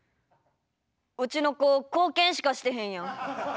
うちの子貢献しかしてへんやん。